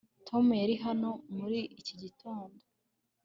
Tom yari hano muri iki gitondo